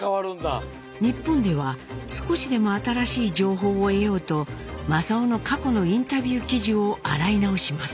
日本では少しでも新しい情報を得ようと正雄の過去のインタビュー記事を洗い直します。